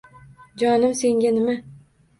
— Jonim, senga nima?!